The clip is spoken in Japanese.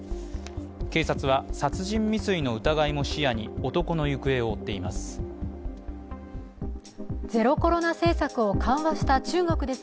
警察は殺人未遂の疑いも視野に男の行方を追っています。